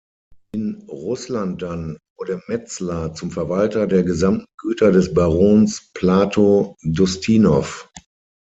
In Russland dann wurde Metzler zum Verwalter der gesamten Güter des Barons Plato d’Ustinov.